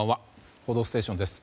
「報道ステーション」です。